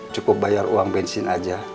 cukup bayar uang bensin aja